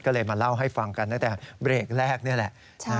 ก็เลยมาเล่าให้ฟังกันตั้งแต่เบรกแรกนี่แหละ